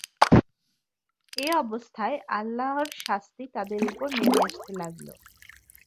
এ অবস্থায় আল্লাহর শাস্তি তাদের ওপর নেমে আসতে লাগল।